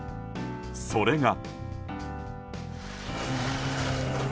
それが。